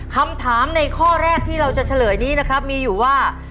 คำถามในข้อแรกที่เราจะเฉลยนี้นะครับมีอยู่ว่า